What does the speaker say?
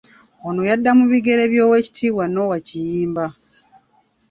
Ono yadda mu bigere by'Oweekitiibwa Noah Kiyimba